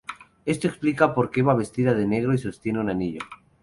Esto explicaría porque va vestida de negro y sostiene un anillo.